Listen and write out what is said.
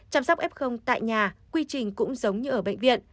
chăm sóc f tại nhà quy trình cũng giống như ở bệnh viện